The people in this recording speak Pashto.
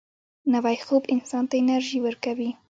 نوی خوب انسان ته انرژي ورکوي